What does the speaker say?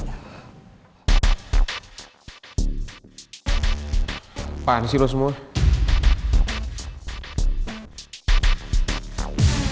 apaan sih lo semua